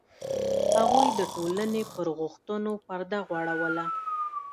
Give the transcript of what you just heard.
هغوی د ټولنې پر غوښتنو پرده غوړوله.